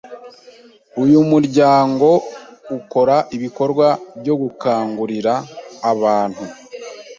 Uyu muryango ukora ibikorwa byo gukangurira abantu